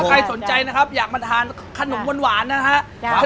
ใครสนใจนะครับอยากมาทานขนมหวานนะฮะ